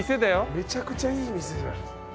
めちゃくちゃいい店じゃん。